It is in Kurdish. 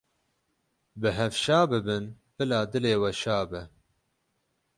Bi hev şa bibin, bila dilê we şa be.